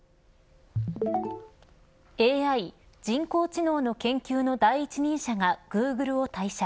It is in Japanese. ＡＩ、人工知能の研究の第一人者がグーグルを退社。